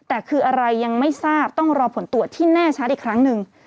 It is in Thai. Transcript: แต่คืออะไรยังไม่ทราบต้องรอผลตรวจที่แน่ชัดอีกครั้งหนึ่ง